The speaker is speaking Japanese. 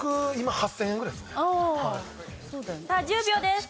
さあ１０秒です。